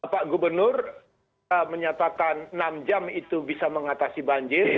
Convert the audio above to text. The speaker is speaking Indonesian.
pak gubernur menyatakan enam jam itu bisa mengatasi banjir